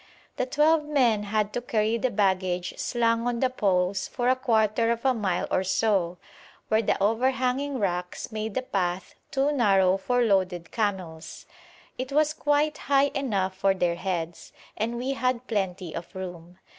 The twelve men had to carry the baggage slung on the poles for a quarter of a mile or so, where the overhanging rocks made the path too narrow for loaded camels. It was quite high enough for their heads, and we had plenty of room.